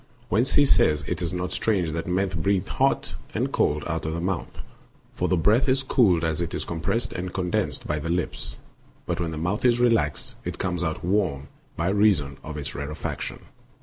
Whence he says it is not strange that men breathe hot and cold out of the mouth ; for the breath is cooled as it is compressed and condensed by the lips, but when the mouth is relaxed, it comes out warm by reason of its rare faction.